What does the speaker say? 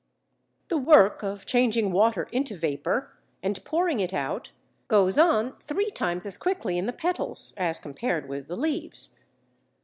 The work of changing water into vapour and pouring it out goes on three times as quickly in the petals (as compared with the leaves).